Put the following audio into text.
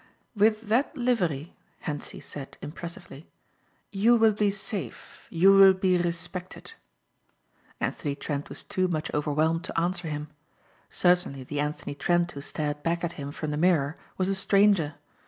"With that livery," Hentzi said impressively, "you will be safe; you will be respected." Anthony Trent was too much overwhelmed to answer him. Certainly the Anthony Trent who stared back at him from the mirror was a stranger.